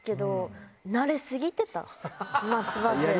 松葉杖に。